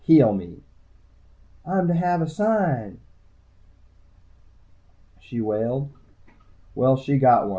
"Heal me!" "I'm to have a sign!" she wailed. Well, she got one.